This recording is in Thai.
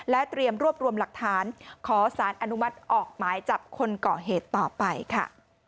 เตรียมรวบรวมหลักฐานขอสารอนุมัติออกหมายจับคนก่อเหตุต่อไปค่ะ